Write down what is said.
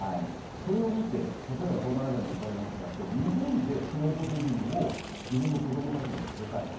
それを見て例えば東南アジアのお金持ちだと日本でスノボデビューを自分の子どもたちにさせたいと。